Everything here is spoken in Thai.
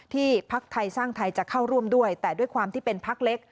ภักดิ์ไทยสร้างไทยจะเข้าร่วมด้วยแต่ด้วยความที่เป็นพักเล็ก